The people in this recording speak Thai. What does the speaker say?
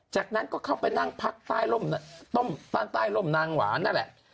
จากนั้นก็เข้าไปนั่งพักใต้ร่มนางหวานนั่นแหละ